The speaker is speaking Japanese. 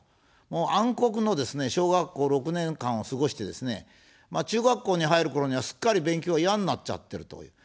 もう暗黒のですね、小学校６年間を過ごしてですね、中学校に入るころには、すっかり勉強が嫌になっちゃっているという。